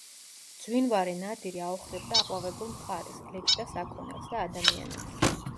მძვინვარე ნადირი აოხრებდა აყვავებულ მხარეს, გლეჯდა საქონელს და ადამიანებს.